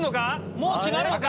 もう決まるのか？